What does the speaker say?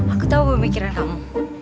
aku tau pemikiran kamu